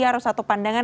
harus satu pandangan